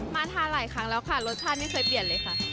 มาทานหลายครั้งแล้วค่ะรสชาติไม่เคยเปลี่ยนเลยค่ะ